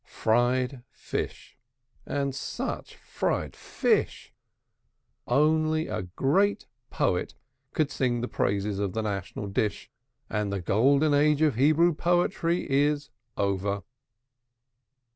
Fried fish, and such fried fish! Only a great poet could sing the praises of the national dish, and the golden age of Hebrew poetry is over.